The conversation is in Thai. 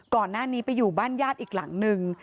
ก่อนหน้านี้ไปอยู่บ้านญาติอีกหลังนึง